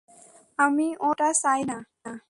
আমি ওরকমটা চাই না।